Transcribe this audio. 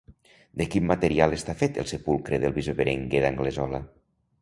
De quin material està fet el sepulcre del bisbe Berenguer d'Anglesola?